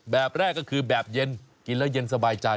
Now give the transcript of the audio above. แบบแรกก็คือแบบเย็นกินแล้วเย็นสบายใจ